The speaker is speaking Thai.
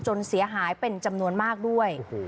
เสียหายเป็นจำนวนมากด้วย